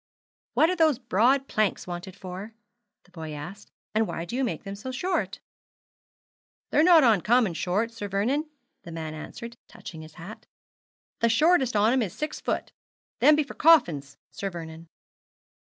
'What are those broad planks wanted for?' the boy asked; 'and why do you make them so short?' 'They're not uncommon short, Sir Vernon,' the man answered, touching his hat; 'the shortest on 'em is six foot. Them be for coffins, Sir Vernon.'